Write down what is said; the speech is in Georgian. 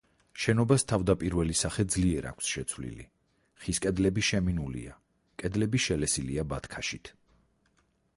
შენობას თავდაპირველი სახე ძლიერ აქვს შეცვლილი: ხის კედლები შემინულია, კედლები შელესილია ბათქაშით.